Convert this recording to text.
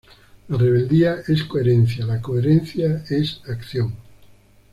La rebeldía es coherencia, la coherencia es acción.